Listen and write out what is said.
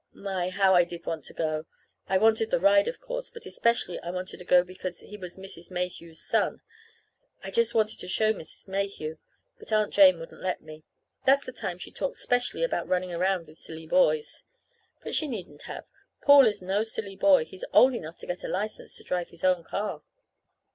My, how I did want to go! I wanted the ride, of course, but especially I wanted to go because he was Mrs. Mayhew's son. I just wanted to show Mrs. Mayhew! But Aunt Jane wouldn't let me. That's the time she talked specially about running around with silly boys. But she needn't have. Paul is no silly boy. He's old enough to get a license to drive his own car.